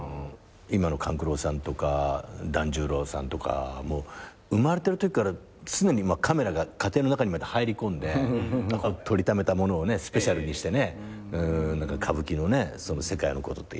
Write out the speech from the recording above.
今の勘九郎さんとか團十郎さんとか生まれたときから常にカメラが家庭の中にまで入り込んで撮りためたものをスペシャルにして歌舞伎の世界のことやったりとかするけど。